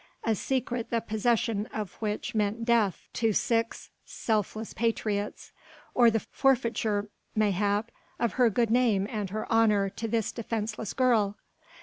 a secret the possession of which meant death to six selfless patriots or the forfeiture mayhap of her good name and her honour to this defenceless girl!